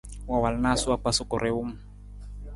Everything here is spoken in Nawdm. Wa wal naasa wa kpa sukuri wung.